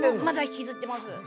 まだ引きずってます。